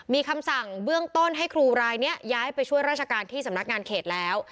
มีคำสั่งเบื้องต้นให้ครูรายนี้ย้ายไปช่วยราชการที่สำนักงานเขตแล้ว